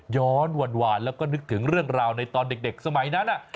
ย้อนหวานแล้วก็นึกถึงเรื่องราวในตอนเด็กสมัยนั้น